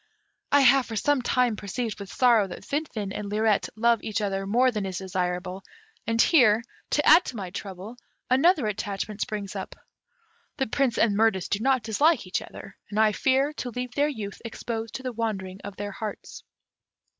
I have for some time perceived with sorrow that Finfin and Lirette love each other more than is desirable, and here, to add to my trouble, another attachment springs up: the Prince and Mirtis do not dislike each other, and I fear to leave their youth exposed to the wandering of their hearts."